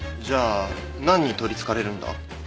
じゃあ何にとり憑かれるんだ？